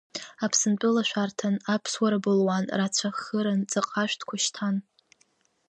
Аԥсынтәыла шәарҭан, Аԥсуара былуан, рацәа ххыран, ҵаҟа ашәҭқәа шьҭан.